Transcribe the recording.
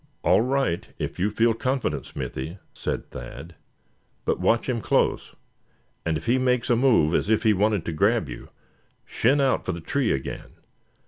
"All right, if you feel confident, Smithy;" said Thad; "but watch him close; and if he makes a move as if he wanted to grab you, shin out for the tree again.